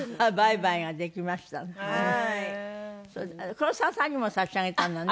黒沢さんにも差し上げたのね。